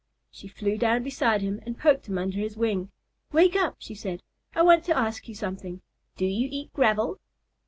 She flew down beside him and poked him under his wing. "Wake up," she said. "I want to ask you something. Do you eat gravel?"